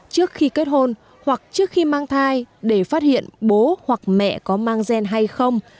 trước khi kết hôn hoặc trước khi mang thai để phát hiện bố hoặc mẹ có mang gen hay không